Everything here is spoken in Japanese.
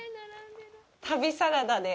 「旅サラダ」で。